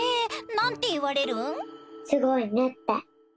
なんていわれるん？